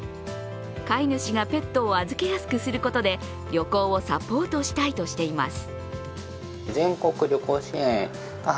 飼い主がペットを預けやすくすることで旅行をサポートしたいとしています。